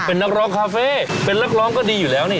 เป็นนักร้องคาเฟ่เป็นนักร้องก็ดีอยู่แล้วนี่